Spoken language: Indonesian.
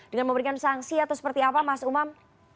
dengan memberikan sanksi atau seperti apa mas umam